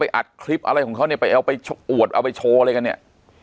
อัดคลิปอะไรของเขาเนี่ยไปเอาไปอวดเอาไปโชว์อะไรกันเนี่ย